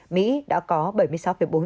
mỹ đã có tỷ lệ gấp hai lần anh và gấp bốn lần đức